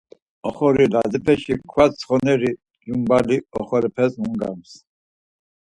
Oxori, lazepeşi kva t̆soneri cumbali oxorepes nungams.